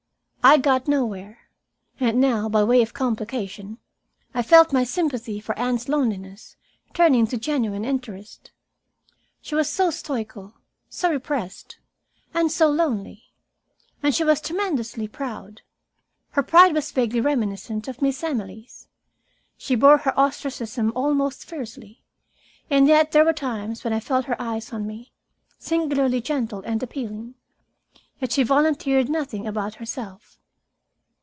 I got nowhere. And now, by way of complication, I felt my sympathy for Anne's loneliness turning to genuine interest. She was so stoical, so repressed, and so lonely. And she was tremendously proud. Her pride was vaguely reminiscent of Miss Emily's. She bore her ostracism almost fiercely, yet there were times when I felt her eyes on me, singularly gentle and appealing. Yet she volunteered nothing about herself.